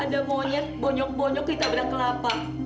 ada monyet bonyok bonyok kita berang kelapa